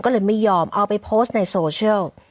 ก็เลยไม่ยอมเอาไปโพสต์ในโซเชียล